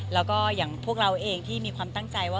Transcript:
แล้วก็อย่างพวกเราเองที่มีความตั้งใจว่า